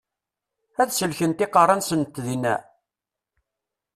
Ad sellkent iqeṛṛa-nsent dinna?